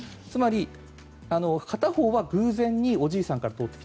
つまり、片方は偶然におじいさんからだと。